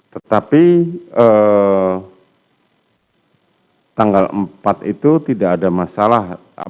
tetapi tanggal empat itu tidak ada masalah